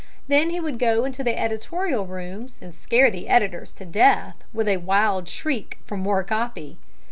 Then he would go into the editorial rooms and scare the editors to death with a wild shriek for more copy.